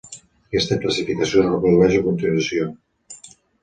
Aquesta classificació es reprodueix a continuació.